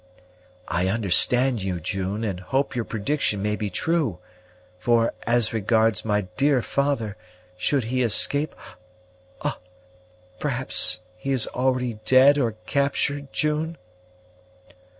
"I understand you, June, and hope your prediction may be true; for, as regards my dear father, should he escape perhaps he is already dead or captured, June?"